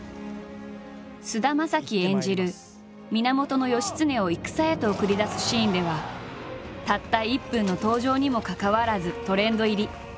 菅田将暉演じる源義経を戦へと送り出すシーンではたった１分の登場にもかかわらずトレンド入り。